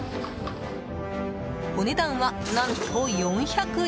お値段は、何と４００円。